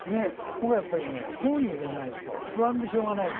僕は本を入れないと不安でしょうがない。